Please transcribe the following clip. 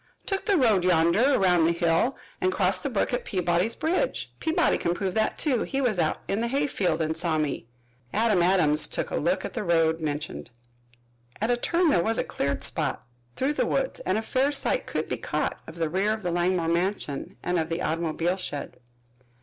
"Took the road yonder, around the hill, and crossed the brook at Peabody's bridge Peabody can prove that, too. He was out in the hayfield and saw me." Adam Adams took a look at the road mentioned. At a turn there was a cleared spot through the woods and a fair sight could be caught of the rear of the Langmore mansion and of the automobile shed.